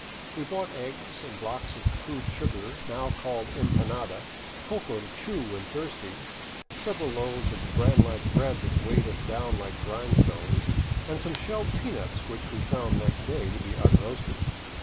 We bought eggs, and blocks of crude sugar, now called empanada, coca to chew when thirsty, several loaves of the bran like bread that weighed us down like grindstones, and some shelled peanuts which we found next day to be unroasted.